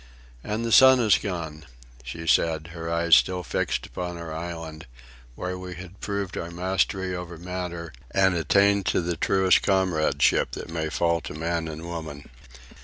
"And the sun is gone," she said, her eyes still fixed upon our island, where we had proved our mastery over matter and attained to the truest comradeship that may fall to man and woman.